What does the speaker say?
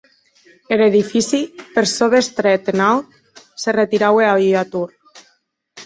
Er edifici, per çò d’estret e naut, se retiraue a ua tor.